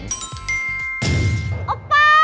อ๊อปป้า